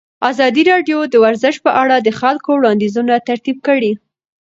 ازادي راډیو د ورزش په اړه د خلکو وړاندیزونه ترتیب کړي.